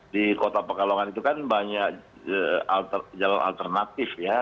di kota pekalongan itu kan banyak jalan alternatif ya